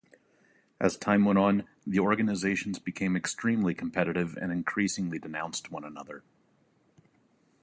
As time went on, the organizations became extremely competitive and increasingly denounced one another.